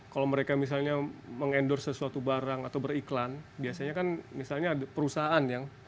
kalau mereka misalnya mengendorse sesuatu barang atau beriklan biasanya kan misalnya ada perusahaan yang